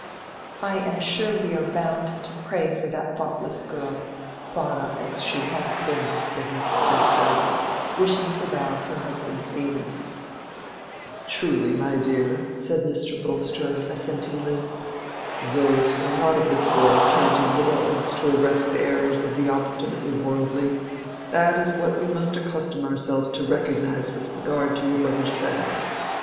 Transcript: "I am sure we are bound to pray for that thoughtless girl—brought up as she has been," said Mrs. Bulstrode, wishing to rouse her husband's feelings. "Truly, my dear," said Mr. Bulstrode, assentingly. "Those who are not of this world can do little else to arrest the errors of the obstinately worldly. That is what we must accustom ourselves to recognize with regard to your brother's family.